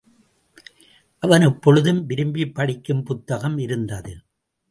அவன் எப்பொழுதும் விரும்பிப் படிக்கும் புத்தகம் இருந்தது.